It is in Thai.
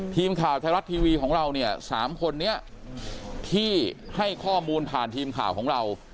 ทีมข่าวไทยรัฐทีวีของเราเนี่ย๓คนนี้ที่ให้ข้อมูลผ่านทีมข่าวของเรา